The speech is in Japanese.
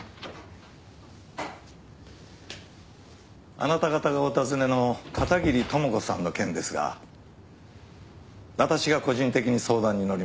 あなた方がお尋ねの片桐朋子さんの件ですが私が個人的に相談にのりました。